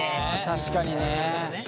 確かにね。